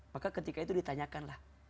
maka ketika itu ditanyakan lah